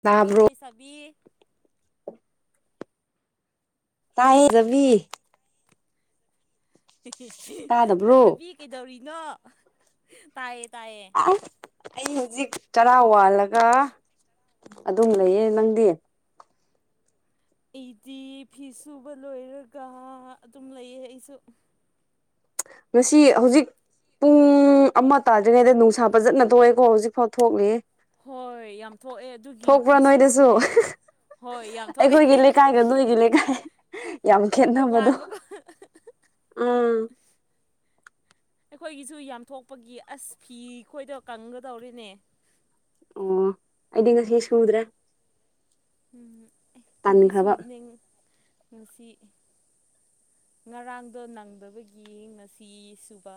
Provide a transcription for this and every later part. ꯇꯥꯕ꯭ꯔꯣ ꯁꯕꯤ ꯇꯥꯏ ꯔꯕꯤ ꯇꯥꯗꯕ꯭ꯔꯣ ꯐꯖꯕꯤ ꯀꯩꯗꯧꯔꯤꯅꯣ ꯇꯥꯏ ꯑ ꯑꯩꯖꯤ ꯆꯔꯥ ꯋꯥꯜꯂꯒ ꯑꯗꯨꯝ ꯂꯩꯌꯦ ꯅꯪꯗꯤ ꯏ ꯗꯤ ꯐꯤ ꯁꯨꯕ ꯂꯣꯏꯔꯒ ꯑꯗꯨꯝ ꯂꯩꯌꯦ ꯑꯩꯁꯨ ꯉꯁꯤ ꯍꯧꯖꯤꯛ ꯄꯨꯡ ꯑꯃ ꯇꯥꯗ꯭ꯔꯤꯉꯩꯗ ꯅꯨꯡꯁꯥ ꯐꯖꯠꯅ ꯊꯣꯛꯑꯦꯀꯣ ꯍꯧꯖꯤꯛꯐꯥꯎ ꯊꯣꯛꯂꯤꯦ ꯍꯣꯏ ꯌꯥꯝ ꯊꯣꯛꯑꯦ ꯑꯗꯨꯒꯤ ꯐꯤꯁꯨꯕꯅꯦ ꯅꯣꯏꯗꯁꯨ ꯑꯩꯁꯨ ꯍꯣꯏ ꯌꯥꯝ ꯑꯩꯈꯣꯏꯒꯤ ꯂꯩꯀꯥꯏꯒ ꯅꯣꯏꯒꯤ ꯂꯩꯀꯥꯏ ꯇꯣꯉꯥꯟꯕꯥꯟꯕꯀꯣ ꯑꯥ ꯑꯩꯈꯣꯏꯒꯤꯁꯨ ꯌꯥꯝꯊꯣꯛꯄꯒꯤ ꯑꯁ ꯐꯤ ꯑꯩꯈꯣꯏꯗ ꯀꯪꯒꯗꯧꯔꯤꯅꯦ ꯑꯣ ꯑꯩꯗꯤꯒ ꯍꯦꯁ ꯉꯗ꯭ꯔꯥ ꯎꯝ ꯏꯗꯤ ꯁꯨꯕꯅ ꯉꯁꯤ ꯉꯔꯥꯡꯗꯣ ꯅꯪꯗꯕꯒꯤ ꯉꯁꯤ ꯁꯨꯕ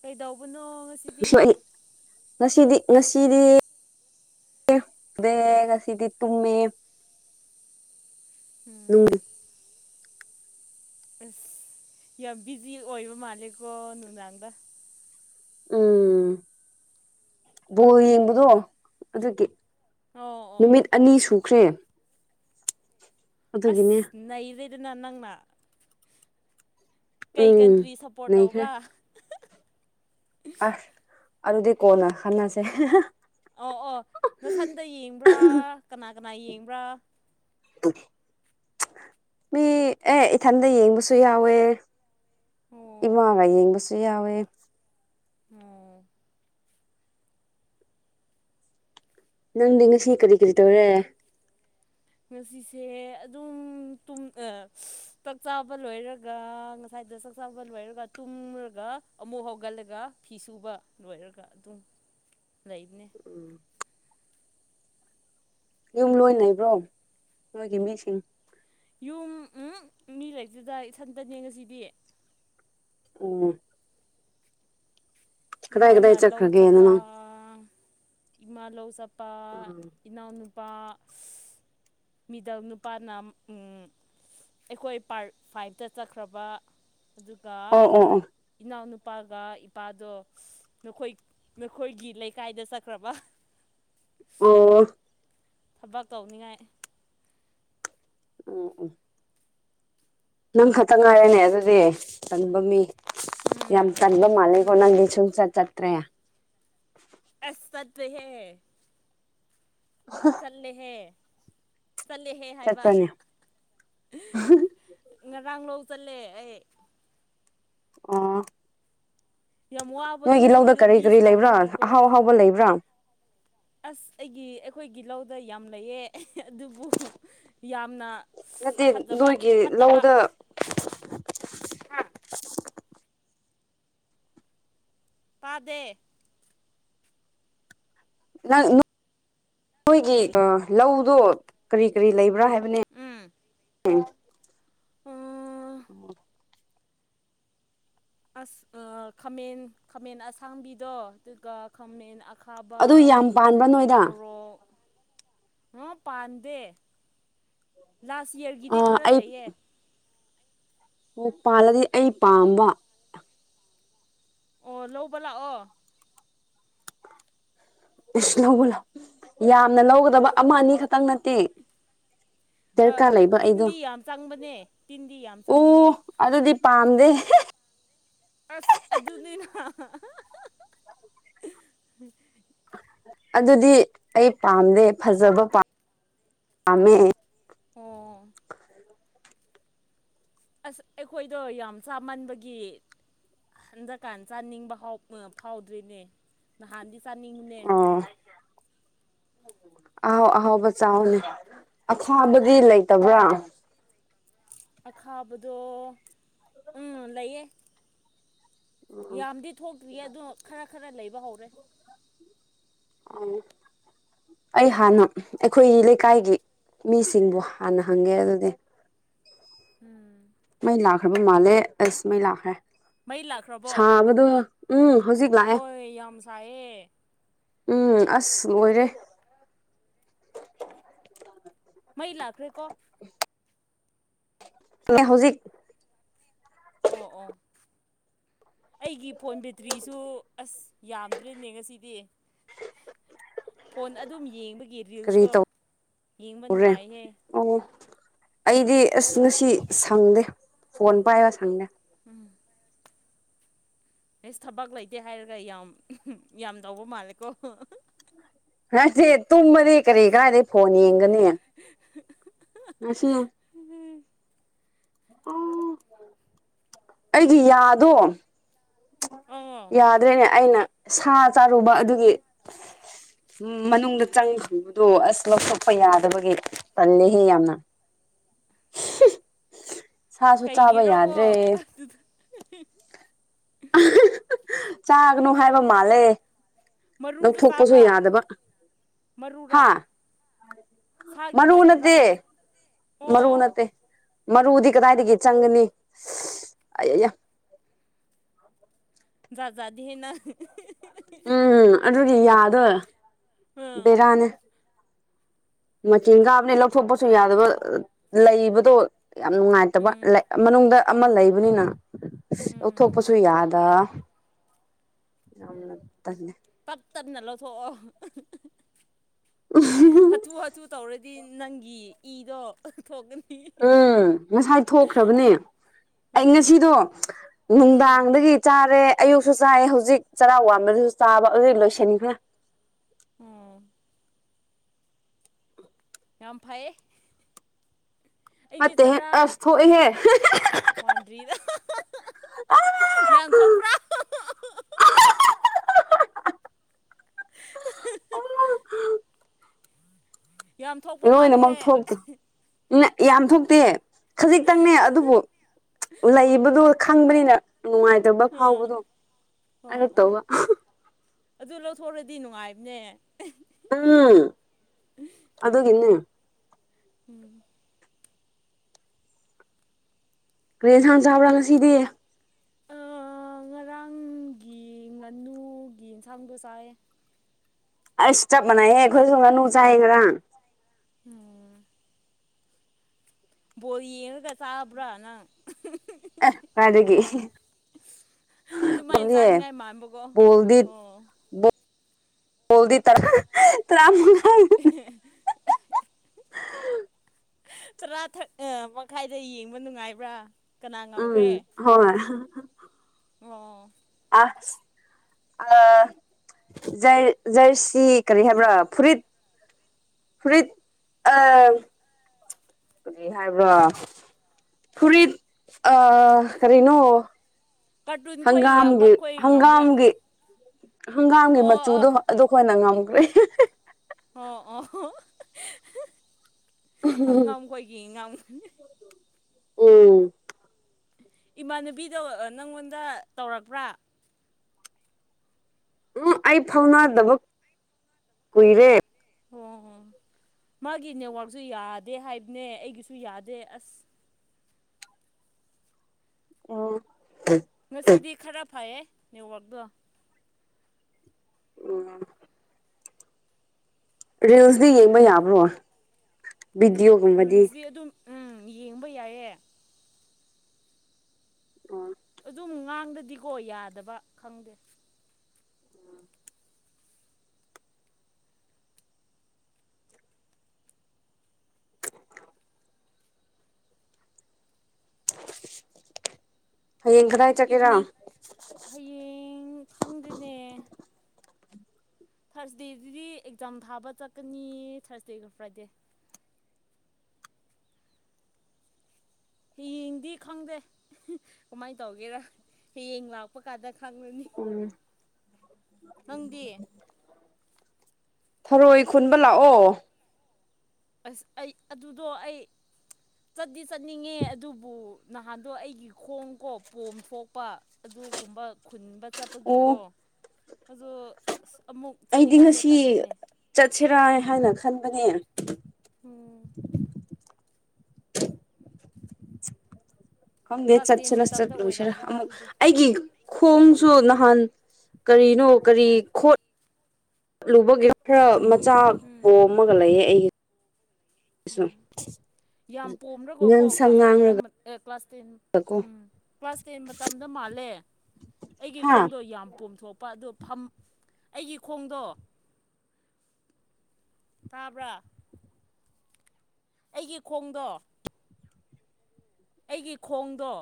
ꯀꯩꯗꯧꯕꯅ ꯉꯁꯤꯗꯤ ꯉꯁꯤꯗꯤ ꯦꯒ ꯁꯤꯗꯤ ꯇꯨꯃꯤꯃꯦ ꯎ ꯎꯝ ꯑꯁ ꯌꯥꯝ ꯕꯤꯖꯤ ꯑꯣꯏꯕ ꯃꯥꯜꯂꯦꯀꯣ ꯅꯨꯡꯗꯥꯡꯗ ꯎꯝ ꯕꯣ ꯌꯦꯡꯕꯗꯣ ꯑꯗꯨꯒꯤ ꯑꯣ ꯑꯣ ꯑꯣ ꯅꯨꯃꯤꯠ ꯑꯅꯤ ꯁꯨꯈ꯭ꯔꯦ ꯑꯗꯨꯒꯤꯅꯦ ꯑꯁ ꯅꯩꯔꯦꯗꯅ ꯅꯪꯅ ꯀꯩ ꯎꯝ ꯀꯟꯇ꯭ꯔꯤ ꯁꯞꯄꯣꯔꯠ ꯂꯩꯈ꯭ꯔꯦ ꯇꯧꯕ꯭ꯔꯥ ꯑꯁ ꯑꯗꯨꯗꯤ ꯀꯣꯟꯅ ꯍꯅꯁꯦ ꯑꯣ ꯑꯣ ꯅꯊꯟꯗ ꯌꯦꯡꯕ꯭ꯔꯥ ꯀꯅꯥ ꯀꯅꯥ ꯌꯦꯡꯕ꯭ꯔꯥ ꯎ ꯃꯤ ꯑꯦ ꯏꯊꯟꯗ ꯌꯦꯡꯕꯁꯨ ꯌꯥꯎꯋꯦ ꯑꯣ ꯏꯃꯥꯒ ꯌꯦꯡꯕꯁꯨ ꯌꯥꯋꯦ ꯑꯣ ꯅꯪꯗꯤ ꯉꯁꯤ ꯀꯔꯤ ꯀꯔꯤ ꯇꯧꯔꯦ ꯁꯤꯁꯦ ꯑꯗꯨꯝ ꯆꯥꯛ ꯆꯥꯕ ꯂꯣꯏꯔꯒ ꯉꯁꯥꯏꯗ ꯆꯥꯕ ꯂꯣꯏꯔꯒ ꯇꯨꯝꯔꯒ ꯑꯃꯨꯛ ꯍꯧꯒꯠꯂꯒ ꯐꯤ ꯁꯨꯕ ꯂꯣꯏꯔꯒ ꯑꯗꯨꯝ ꯂꯩꯗꯅꯦ ꯌꯨꯝ ꯂꯣꯏ ꯂꯩꯩꯕ꯭ꯔꯣ ꯅꯣꯏꯒꯤ ꯃꯤꯁꯤꯡ ꯌꯨꯝ ꯎꯝ ꯃꯤ ꯂꯩꯔꯤꯛꯇꯨꯗ ꯏꯊꯟꯇꯅꯦ ꯉꯁꯤꯗꯤ ꯑꯣ ꯀꯗꯥꯏ ꯏꯃꯥꯅ ꯀꯗꯥꯏ ꯂꯧ ꯆꯠꯈ꯭ꯔꯒꯦ ꯆꯄ ꯅꯪ ꯏꯃꯥ ꯂꯧ ꯆꯄ ꯅꯨꯄꯥ ꯏꯅꯥꯎꯅꯨꯄꯥ ꯃꯤꯗ ꯅꯨꯄꯥꯅ ꯑꯩꯈꯣꯏ ꯄꯥꯔꯠ ꯐꯥꯏꯚꯇ ꯆꯠꯈ꯭ꯔꯕ ꯑꯗꯨꯒ ꯑꯣ ꯑꯣ ꯑꯣ ꯏꯅꯥꯎꯅꯨꯄꯥꯒ ꯏꯄꯥꯗꯣ ꯅꯈꯣꯏ ꯅꯈꯣꯏꯒꯤ ꯂꯩꯀꯥꯏꯗ ꯆꯠꯈ꯭ꯔꯕ ꯑꯣ ꯊꯕꯛ ꯇꯧꯅꯤꯡꯉꯥꯏ ꯑ ꯅꯪ ꯈꯛꯇ ꯉꯥꯏꯔꯅꯦ ꯑꯗꯨꯗꯤ ꯇꯟꯕ ꯃꯤ ꯌꯥꯝ ꯎꯝ ꯇꯟꯕ ꯃꯥꯜꯂꯤꯒꯣ ꯎꯝ ꯅꯪꯗꯤ ꯁꯨꯡꯆꯠ ꯆꯠꯇ꯭ꯔꯌꯥ ꯑꯁ ꯆꯇꯦꯍꯦ ꯆꯜꯂꯦꯍꯦ ꯆꯠꯂꯦꯍꯦ ꯍꯥꯏꯕ ꯆꯠꯄ꯭ꯔꯅꯦ ꯉꯔꯥꯡ ꯂꯧ ꯆꯜꯂꯦ ꯑꯩ ꯑꯥ ꯌꯥꯝ ꯋꯥꯕꯗꯨ ꯅꯣꯏꯒꯤ ꯂꯧꯗ ꯀꯔꯤ ꯂꯝꯕꯤ ꯀꯔꯤ ꯂꯩꯕ꯭ꯔꯥ ꯁꯥꯡꯕꯒꯤꯀꯣ ꯑꯍꯥꯎ ꯑꯍꯥꯎꯕ ꯂꯩꯕ꯭ꯔꯥ ꯑꯁ ꯑꯩꯒꯤ ꯑꯩꯈꯣꯏꯒꯤ ꯂꯧꯗ ꯌꯥꯝ ꯂꯩꯌꯦ ꯑꯗꯨꯕꯨ ꯌꯥꯝꯅ ꯅꯠꯇꯦ ꯐꯖꯕ ꯅꯣꯏꯒꯤ ꯐꯠꯇꯕ ꯂꯧꯗ ꯄꯥꯗꯦ ꯅꯪ ꯅꯣꯏꯒꯤ ꯂꯧꯗꯣ ꯀꯔꯤ ꯀꯔꯤ ꯂꯩꯕ꯭ꯔꯥ ꯍꯥꯏꯕ [unintelligible] ꯑ ꯑꯁ ꯑꯥ ꯈꯥꯃꯦꯟ ꯈꯥꯃꯦꯟ ꯑꯁꯥꯡꯕꯤꯗꯣ ꯑꯗꯨꯒ ꯈꯥꯃꯦꯟ ꯑꯈꯥꯕ ꯑꯗꯨ ꯌꯥꯝ ꯄꯥꯟꯕ꯭ꯔꯥ ꯅꯣꯏꯗ ꯑꯣ ꯄꯥꯟꯗꯦ ꯂꯥꯁ ꯌꯔꯒꯤꯗꯤ ꯑꯥ ꯈꯔ ꯂꯩꯌꯦ ꯑꯣ ꯄꯥꯜꯂꯗꯤ ꯑꯩ ꯄꯥꯝꯕ ꯑꯣ ꯂꯧꯕ ꯂꯥꯛꯑꯣ ꯂꯧꯕ ꯂꯛ ꯌꯥꯝꯅ ꯂꯧꯒꯗꯕ ꯑꯃ ꯑꯅꯤ ꯈꯛꯇꯪ ꯅꯠꯇꯦ ꯑ ꯗꯔꯀꯥꯔ ꯂꯩꯕ ꯑꯩꯗꯣ ꯇꯤꯟꯗꯤ ꯌꯥꯝ ꯆꯪꯕꯅꯦ ꯇꯤꯟꯗꯤ ꯌꯥꯝ ꯆꯪꯕꯅꯦ ꯄꯥꯝꯗ ꯑꯁ ꯑꯗꯨꯅꯤꯅ ꯑꯗꯨꯗꯤ ꯑꯩ ꯄꯥꯝꯗꯦ ꯐꯖꯕ ꯄꯥꯝ ꯄꯥꯝꯃꯦ ꯑꯣ ꯑꯁ ꯑꯩꯈꯣꯏꯗꯣ ꯌꯥꯝ ꯆꯥꯃꯟꯕꯒꯤ ꯍꯟꯗꯛꯀꯥꯟ ꯆꯥꯅꯤꯡꯕ ꯐꯥꯎꯕ ꯐꯥꯎꯗ꯭ꯔꯤꯅꯦ ꯅꯍꯥꯟꯗꯤ ꯆꯥꯅꯤꯡꯕꯅꯦ [unintelligible] ꯑꯍꯥꯎ ꯑꯍꯥꯎꯕ ꯆꯥꯎꯅꯤ ꯑꯁꯥꯕꯗꯤ ꯂꯩꯇꯕ꯭ꯔꯥ ꯑꯈꯥꯕꯗꯣ ꯎꯝ ꯂꯩꯌꯦ ꯌꯥꯝꯗꯤ ꯊꯣꯛꯇ꯭ꯔꯤꯌꯦ ꯑꯗꯨꯣ ꯈꯔ ꯈꯔ ꯂꯩꯕ ꯍꯧꯔꯦ ꯑ ꯑꯩ ꯍꯥꯟꯅ ꯑꯩꯈꯣꯏꯒꯤ ꯂꯩꯀꯥꯏꯒꯤ ꯃꯤꯁꯤꯡꯕꯨ ꯍꯥꯟꯅ ꯍꯪꯒꯦ ꯑꯗꯨꯗꯤ [inaudible] ꯎꯝ ꯃꯩ ꯂꯥꯛꯈ꯭ꯔꯕ ꯃꯥꯜꯂꯦ ꯑꯁ ꯃꯩ ꯂꯥꯛꯈ꯭ꯔꯦ ꯃꯩ ꯂꯥꯛꯈ꯭ꯔꯕꯣ ꯁꯥꯕꯗꯣ ꯎꯝ ꯍꯧꯖꯤꯛ ꯂꯥꯛꯑꯦ ꯍꯣꯏ ꯌꯥꯝꯁꯍꯦ ꯎꯝ ꯑꯁ ꯂꯣꯏꯔꯦ ꯃꯩ ꯂꯥꯛꯈ꯭ꯔꯦꯀꯣ ꯏ ꯍꯧꯖꯤꯛ ꯑꯣ ꯑꯣ ꯑꯩꯒꯤ ꯐꯣꯟ ꯕꯦꯇ꯭ꯔꯤꯁꯨ ꯑꯁ ꯌꯥꯝꯗ꯭ꯔꯦꯅꯦ ꯉꯁꯤꯗꯤ ꯐꯣꯟ ꯑꯗꯨꯝ ꯌꯦꯡꯕꯒꯤ ꯑꯩꯒꯤ ꯀꯔꯤ ꯔꯤꯜꯁꯇꯣ ꯌꯦꯡꯕ ꯇꯧꯔꯦ ꯅꯨꯡꯉꯥꯏꯍꯦ ꯑꯣ ꯑꯩꯗꯤ ꯑꯁ ꯉꯁꯤ ꯁꯪꯗꯦ ꯐꯣꯟ ꯄꯥꯏꯕ ꯁꯪꯗꯦ ꯎꯝ ꯑꯦꯁ ꯊꯕꯛ ꯂꯩꯇꯦ ꯍꯥꯏꯔꯒ ꯌꯥꯝ ꯌꯥꯝ ꯇꯧꯕ ꯃꯥꯜꯂꯦꯀꯣ ꯉꯁꯦ ꯇꯨꯝꯕꯗꯤ ꯀꯔꯤ ꯀꯥꯏꯗꯒꯤꯩ ꯐꯣꯟ ꯌꯦꯡꯒꯅꯤ ꯃꯁꯤꯁꯤ ꯑꯩꯒꯤ ꯌꯥꯗꯣ ꯑꯣ ꯌꯥꯗ꯭ꯔꯦꯅꯦ ꯑꯩꯅ ꯁꯥ ꯆꯥꯔꯨꯕ ꯑꯗꯨꯒꯤ ꯎꯝ ꯃꯅꯨꯡꯗ ꯆꯪꯈꯕꯗꯣ ꯑꯁ ꯂꯧꯊꯣꯛꯄ ꯌꯥꯗꯕꯒꯤ ꯄꯜꯂꯦꯍꯦ ꯌꯥꯝꯅ [unintelligible] ꯁꯥꯁꯨ ꯆꯥꯕ ꯀꯩꯒꯤꯔꯣꯀꯣ ꯌꯥꯗ꯭ꯔꯦ ꯆꯥꯒꯅꯨ ꯍꯥꯏꯕ ꯃꯥꯜꯂꯦ ꯃꯔꯨꯗꯣ ꯂꯧꯊꯣꯛꯄꯁꯨ ꯆꯥꯕ꯭ꯔꯥ ꯌꯥꯗꯕ ꯍꯥ ꯃꯔꯨꯔꯥ ꯁꯥꯒꯤ ꯃꯔꯨ ꯃꯔꯨꯔꯥ ꯅꯠꯇꯦ ꯍꯥꯏꯕ ꯑꯣ ꯃꯔꯨ ꯑꯣ ꯅꯠꯇꯦ ꯃꯔꯨꯗꯤ ꯀꯗꯥꯏꯗꯒꯤ ꯆꯪꯒꯅꯤ ꯑꯩ ꯥꯖꯥꯗꯤ ꯍꯦꯅ ꯎꯝ ꯑꯗꯨꯗꯤ ꯌꯥꯗꯣꯏ ꯑꯥ ꯕꯦꯔꯥꯅꯦ ꯃꯆꯤꯟ ꯀꯥꯕꯅꯦ ꯂꯧꯊꯣꯛꯄꯁꯨ ꯌꯥꯗꯕ ꯂꯩꯕꯗꯣ ꯌꯥꯝ ꯅꯨꯡꯉꯥꯏꯇꯕ ꯎꯝ ꯃꯅꯨꯡꯗ ꯑꯃ ꯂꯩꯕꯅꯤꯅ ꯎꯝ ꯂꯧꯊꯣꯛꯄꯁꯨ ꯌꯥꯗ ꯌꯥꯝ ꯇꯦ ꯄꯛ ꯇꯞꯅ ꯂꯧꯊꯣꯛꯑꯣ ꯍꯥꯊꯨ ꯍꯥꯊꯨ ꯇꯧꯔ ꯍꯥꯏꯗꯤ ꯅꯪꯒꯤ ꯏꯗꯣ ꯊꯣꯛꯀꯅꯤ ꯎꯝ ꯉꯁꯥꯏ ꯊꯣꯛꯈ꯭ꯔꯕꯅꯦ ꯑꯩ ꯎꯝ ꯉꯁꯤꯗꯣ ꯎꯝ ꯅꯨꯡꯗꯥꯡꯗꯒꯤ ꯆꯥꯔꯦ ꯑꯌꯨꯛꯁꯨ ꯆꯥꯏꯌꯦ ꯍꯧꯖꯤꯛ ꯆꯔꯥꯎ ꯋꯥꯟꯕꯗꯨꯁꯨ ꯆꯥꯕ ꯑꯗꯨꯗꯤ ꯂꯣꯏꯁꯤꯟ꯭ꯔ ꯎꯝ ꯌꯥꯝ ꯐꯩꯌꯦ ꯃ ꯑꯁ ꯊꯣꯛꯑ ꯍꯦ ꯋꯥꯥꯟꯗꯔꯤꯗ ꯌꯥꯝ ꯊꯣꯛꯄ꯭ꯔꯥ ꯑ ꯌꯥꯝ ꯊꯣꯛꯄ ꯂꯣꯏꯅꯃꯛ ꯃꯥꯜꯂꯤꯍꯦ ꯊꯣꯛꯇ꯭ꯔꯣ ꯌꯥꯝ ꯊꯣꯛꯇꯦ ꯈꯖꯤꯛꯇꯪꯅꯦ ꯑꯗꯨꯕꯨ ꯂꯩꯕꯗꯨ ꯈꯪꯕꯅꯤꯅ ꯅꯨꯡꯉꯥꯏꯇꯕ ꯎꯝ ꯐꯥꯎꯕꯗꯣ ꯑꯣ ꯑꯣ ꯑꯔꯛꯇꯧꯕ ꯑꯗꯨ ꯂꯧꯊꯣꯛꯣꯔꯗꯤ ꯅꯨꯡꯉꯥꯏꯕꯅꯦ ꯎꯝ ꯑꯗꯨꯒꯤꯅꯦ ꯎꯝ ꯀꯦꯖ ꯍꯥꯟ ꯁꯥꯕꯔꯥꯅꯁꯤꯗꯦ ꯨꯡꯒꯤ ꯉꯥꯅꯨꯒꯤ ꯑꯦꯟꯁꯥꯡꯗꯣ ꯆꯥꯏ ꯑꯁ ꯆꯠꯄꯅ ꯑꯦꯦ ꯈꯣꯏ ꯁꯨꯝꯅꯨ ꯆꯥꯏ ꯈ꯭ꯔ ꯑꯣꯝ ꯕꯣꯣꯔ ꯌꯦꯡꯉꯒ ꯆꯥꯕ꯭ꯔꯥ ꯅꯪ ꯃꯒꯤ ꯑꯗꯨ ꯃꯥꯏ ꯆꯥꯅꯤꯡꯉꯥꯏ ꯃꯥꯟꯕꯀꯣ ꯑꯣ ꯍꯣꯜꯗꯤ ꯇꯔꯥ ꯇꯔꯥ [unintelligible] ꯇꯔꯥꯛ ꯃꯈꯥꯏꯗ ꯌꯦꯡꯕ ꯅꯨꯡꯉꯥꯏꯕ꯭ꯔꯥ ꯀꯅꯥ ꯎꯝ ꯉꯝꯈ꯭ꯔꯦ ꯍꯣꯏ ꯑꯣ ꯑꯁ ꯑ ꯖꯔ ꯖꯔꯁꯤ ꯀꯔꯤ ꯍꯥꯏꯕ꯭ꯔꯥ ꯐꯨꯔꯤꯠ ꯐꯨꯔꯤꯠ ꯑ ꯀꯔꯤ ꯍꯥꯏꯕ꯭ꯔꯥ ꯐꯨꯔꯤꯠ ꯑ ꯀꯔꯤꯅꯣ ꯀꯥꯔꯇꯨꯟ ꯈꯣꯏ ꯌꯥꯝꯕ ꯍꯪꯒꯥꯝꯒꯤ ꯈꯣꯏ ꯉꯝꯕ꯭ꯔꯥ ꯍꯪꯒꯥꯝꯒꯤ ꯍꯪꯒꯥꯝꯒꯤ ꯑꯣ ꯃꯆꯨꯗꯣ ꯑꯣ ꯑꯗꯨ ꯑꯩꯈꯣꯏꯅ ꯉꯝꯈ꯭ꯔꯦ ꯑꯣ ꯑꯣ ꯍꯝꯒꯝꯀꯣꯏꯒꯤ ꯉꯝꯒꯅꯤ ꯑꯣ ꯏꯃꯥꯟꯅꯕꯤꯗꯣ ꯅꯪꯉꯣꯟꯗ ꯇꯧꯔꯛꯄ꯭ꯔꯥ ꯎꯝ ꯑꯩ ꯐꯥꯎꯅ ꯗꯕ ꯀꯨꯏꯔꯦ ꯑꯣ ꯃꯥꯒꯤ ꯅꯦꯠꯋꯥꯛꯁꯨ ꯌꯥꯗꯦ ꯍꯥꯏꯕꯅꯦ ꯑꯩꯒꯤꯁꯨ ꯌꯥꯗꯦ ꯑꯁ ꯑꯣ ꯉꯁꯤꯗꯤ ꯈꯔ ꯐꯌꯦ ꯅꯦꯠꯋꯥꯛꯗꯣ ꯑꯣ ꯔꯤꯜꯁꯇꯤ ꯌꯦꯡꯕ ꯌꯥꯕ꯭ꯔꯣ ꯚꯤꯗꯤꯑꯣꯒꯨꯝꯕꯗꯤ ꯔꯤꯜꯁꯇꯤ ꯑꯗꯨꯝ ꯎꯝ ꯌꯦꯡꯕ ꯌꯥꯏꯌꯦ ꯑꯣ ꯑꯗꯨꯝ ꯉꯥꯡꯗꯗꯤꯀꯣ ꯌꯥꯗꯕ ꯈꯪꯗꯦ ꯍꯌꯦꯡ ꯀꯗꯥꯏ ꯆꯠꯀꯦꯔꯥ ꯏꯚꯤꯅꯤꯡ ꯍꯌꯦꯡ ꯈꯪꯗꯦꯅꯦ ꯊꯥꯔꯁꯗꯦꯗꯨꯗꯤ ꯑꯦꯛꯖꯥꯝ ꯊꯥꯕ ꯆꯠꯀꯅꯤ ꯊꯥꯔꯁꯗꯦꯒ ꯐ꯭ꯔꯥꯏꯗꯦ ꯍꯌꯦꯡꯗꯤ ꯈꯪꯗꯦ ꯀꯃꯥꯏꯅ ꯇꯧꯒꯦꯔꯥ ꯍꯌꯦꯡ ꯂꯥꯛꯄ ꯀꯥꯟꯗ ꯈꯪꯉꯅꯤ ꯅꯪꯗꯤ ꯊꯔꯣꯏ ꯈꯨꯟꯕ ꯂꯥꯛꯑꯣ ꯑꯁ ꯑꯩ ꯑꯗꯨꯗꯣ ꯑꯩ ꯆꯠꯗꯤ ꯆꯠꯅꯤꯡꯉꯦ ꯑꯗꯨꯕꯨ ꯅꯍꯥꯟꯗꯣ ꯑꯩꯒꯤ ꯈꯣꯡꯀꯣ ꯄꯣꯝ ꯊꯣꯛꯄ ꯑꯗꯨꯒꯨꯝꯕ ꯈꯨꯟꯕ ꯑꯣ ꯆꯠꯄꯒꯤꯀꯣ ꯑꯗꯣ ꯑꯃꯨꯛ ꯑꯩꯗꯤ ꯆꯠꯅꯤꯡꯉꯥꯏꯗꯣ ꯉꯁꯤ ꯇꯜꯂꯤꯅꯦ ꯆꯠꯁꯤꯔꯥ ꯍꯥꯏꯅ ꯈꯟꯕꯅꯦ ꯎꯝ ꯈꯪꯗꯦ ꯀ꯭ꯂꯥꯁ ꯇꯦꯟ ꯆꯠꯁꯤꯔ ꯃꯇꯝꯗ ꯆꯠꯂꯨꯏꯁꯤꯔꯥ ꯑꯣꯏꯔꯝꯒꯅꯤ ꯑꯃꯨꯛ ꯑꯗꯨꯗꯣ ꯑꯩꯒꯤ ꯈꯣꯡꯁꯨ ꯅꯍꯥꯟ ꯀꯔꯤꯅꯣ ꯀꯔꯤ ꯈꯣꯠꯂꯨꯕꯒꯦ ꯈꯔ ꯆꯥꯛ ꯎꯝ ꯄꯣꯝꯃꯒ ꯂꯩꯌꯦ ꯑꯩꯒꯤ ꯌꯥꯝ ꯅꯪ ꯄꯣꯝꯔꯒꯀꯣ ꯁꯝ ꯀ꯭ꯂꯥꯁ ꯇꯦꯟꯗ ꯉꯥꯡꯂꯒ ꯑꯦ class ten um class ten ꯃꯇꯝꯗ ꯃꯥꯜꯂꯦ ꯑꯩꯒꯤ ꯍꯥ ꯈꯣꯡꯗꯣ ꯌꯥꯝ ꯄꯣꯝꯊꯣꯛꯄ ꯑꯗꯣ ꯐꯝ ꯑꯩꯒꯤ ꯈꯣꯡꯗꯣ ꯇꯥꯕ꯭ꯔ ꯑꯩꯒꯤ ꯈꯣꯡꯗꯣ ꯑꯩꯒꯤ ꯈꯣꯡꯗꯣ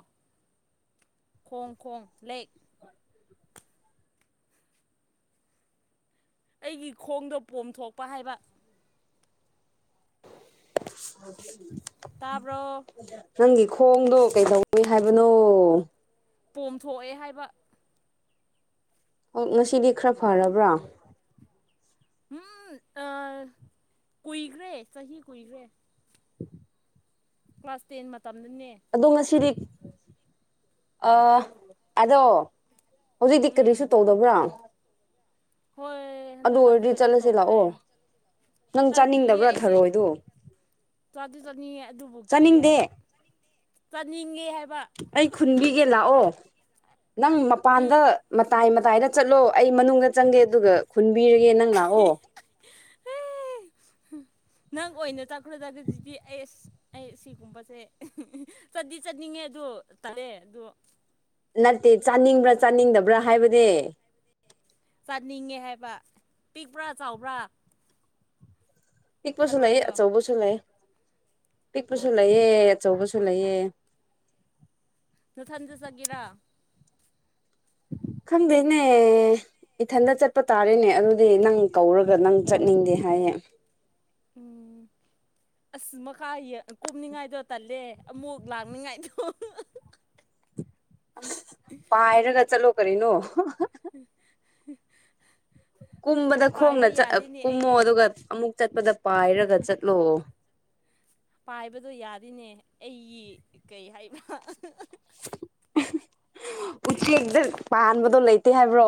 ꯈꯣꯡ ꯈꯣꯡ ꯂꯦꯛ ꯑꯩꯒꯤ ꯈꯣꯡꯗꯣ ꯄꯣꯝꯊꯣꯛꯄ ꯍꯥꯏꯕ [unintelligible] ꯇꯥꯔꯕꯣ ꯅꯪꯒꯤ ꯈꯣꯡꯗꯣ ꯀꯩꯗꯧꯏꯋꯤ ꯍꯥꯏꯕꯅꯣ ꯃꯣꯝꯊꯣꯛꯑꯦ ꯍꯥꯏꯕ ꯑꯣ ꯉꯁꯤꯗꯤ ꯈꯔ ꯐꯔꯕ꯭ꯔꯥ ꯎꯝ ꯑ ꯀꯨꯏꯈ꯭ꯔꯦ ꯆꯍꯤ ꯀꯨꯏꯈ꯭ꯔꯦ ꯀ꯭ꯂꯥꯁ ꯇꯦꯟ ꯃ ꯑꯗꯣ ꯉꯁꯤꯗꯤ ꯑ ꯑꯗꯣ ꯍꯧꯖꯤꯛꯇꯤ ꯎꯝ ꯀꯔꯤꯁꯨ ꯇꯧꯗꯕ꯭ꯔꯥ ꯍꯣꯏ ꯑꯗꯨ ꯍꯟꯗꯛꯀꯥꯟꯗꯤ ꯑꯣꯏꯔꯗꯤ ꯀꯩꯁꯨ ꯆꯠꯂꯁꯤ ꯇꯧꯗ꯭ꯔꯦ ꯂꯥꯛꯑꯣ ꯅꯪ ꯑꯥ ꯀꯤꯌꯦ ꯆꯥꯅꯤꯡꯗꯕ꯭ꯔꯥ ꯑꯩꯗꯤ ꯊꯔꯣꯏꯗꯣ ꯆꯥꯗꯤ ꯆꯠꯅꯤꯡꯌꯦ ꯑꯗꯨꯕꯨ ꯀꯤꯌꯦꯕ ꯆꯥꯅꯤꯡꯗꯦ ꯆꯥꯅꯤꯡ ꯑꯩ ꯈꯨꯟꯕꯤꯒꯦ ꯂꯥꯛꯑꯣ ꯅꯪ ꯎꯝ ꯃꯄꯥꯟꯗ ꯎꯝ ꯃꯇꯥꯏ ꯑꯗꯨꯗꯥꯏꯗ ꯆꯠꯂꯣ ꯑꯩ ꯃꯅꯨꯡꯗ ꯆꯪꯒꯦ ꯑꯗꯨꯒ ꯈꯨꯟꯕꯤꯔꯒꯦ ꯅꯪ ꯂꯥꯛꯑꯣ [unintelligible] ꯅꯪ ꯑꯣꯏꯅ ꯆꯠꯈ꯭ꯔꯗꯒꯖꯤꯗꯤ ꯑꯩ ꯑꯁ ꯑꯩ ꯁꯤꯒꯨꯝꯕꯁꯦ ꯆꯠꯗꯤ ꯆꯠꯅꯤꯡꯉꯦ ꯑꯗꯣ ꯇꯂꯦ ꯑꯗꯨ ꯅꯠꯇꯦ ꯆꯥꯅꯤꯡꯕ꯭ꯔꯥ ꯆꯥꯅꯤꯡꯗꯕ꯭ꯔꯥ ꯍꯥꯏꯕꯅꯦ ꯆꯟꯅꯤꯡꯉꯦ ꯍꯥꯏꯕ ꯄꯤꯛꯄ꯭ꯔꯥ ꯆꯥꯎꯕ꯭ꯔꯥ ꯏꯕꯨꯁꯨ ꯅ ꯊꯔꯣꯏꯗꯣ ꯑꯆꯧꯕꯕꯨꯁꯨ ꯂꯩ ꯄꯤꯛꯄꯁꯨ ꯂꯩꯑ ꯑꯆꯧꯕꯁꯨ ꯂꯩꯑ ꯅꯊꯟꯗ ꯆꯠꯒꯦꯔꯥ ꯈꯪꯗꯦꯅꯦ ꯏꯊꯟꯗ ꯆꯠꯄ ꯇꯥꯔꯦꯅꯦ ꯑꯗꯨꯗꯤ ꯅꯪ ꯀꯧꯔꯒ ꯅꯪ ꯆꯠꯅꯤꯡꯗꯦ ꯌꯥꯌꯦ ꯎꯝ ꯑꯁ ꯃꯈꯥ ꯀꯨꯝꯅꯤꯡꯉꯥꯏꯗꯣ ꯇꯜꯂꯦ ꯑꯃꯨꯛ ꯂꯥꯛꯅꯤꯡꯉꯥꯏꯗꯣ [unintelligible] ꯑ ꯄꯥꯏꯔꯒ ꯆꯠꯂꯣ ꯀꯔꯤꯅꯣ ꯎꯝ ꯀꯨꯝꯕꯗ ꯈꯣꯡꯅ ꯆ ꯀꯨꯝꯃꯣ ꯑꯩꯒꯤ ꯑꯗꯨꯒ ꯑꯃꯨꯛ ꯆꯠꯄꯗ ꯄꯥꯏꯔꯒ ꯆꯠꯂꯣ ꯄꯥꯏꯕꯗꯣ ꯌꯥꯗꯤꯅꯦ ꯑꯩꯒꯤ ꯀꯩ ꯍꯥꯏꯅ ꯎꯆꯦꯛꯛꯇ ꯄꯥꯟꯕꯗꯣ ꯂꯩꯇꯦ ꯍꯥꯏꯕ꯭ꯔꯣ